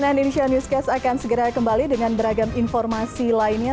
dan cnn indonesia newscast akan segera kembali dengan beragam informasi lainnya